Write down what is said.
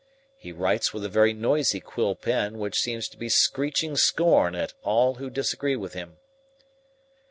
He writes with a very noisy quill pen which seems to be screeching scorn at all who disagree with him.